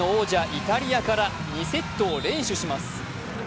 イタリアから２セットを連取します。